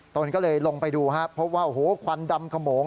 ตนก็เลยลงไปดูครับพบว่าโอ้โหควันดำขโมง